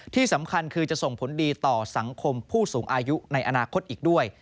ที่สำคัญคือจะส่งผลดีต่อสังคมผู้สูงอายุในอนาคตอีกด้วย